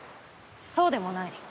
そうでもない。